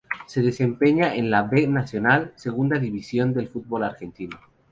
Se desempeña en la B Nacional, segunda división del fútbol argentino.